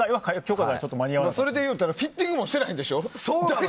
それでいうとフィッティングもしてないんでしょ？